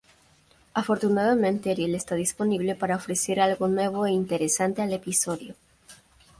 Afortunadamente Ariel está disponible para ofrecer algo nuevo e interesante al episodio.